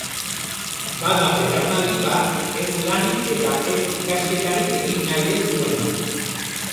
Bada belaunaldi bat ez lanik eta ez ikasketarik egin nahi ez duena.